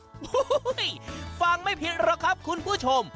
โอ้โหฟังไม่ผิดหรอกครับคุณผู้ชม